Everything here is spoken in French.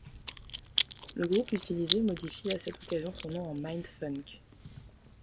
Le groupe utilise modifie à cette occasion son nom en Mindfunk.